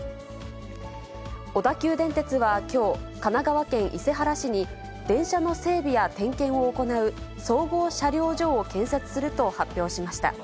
小田急電鉄はきょう、神奈川県伊勢原市に、電車の整備や点検を行う総合車両所を建設すると発表しました。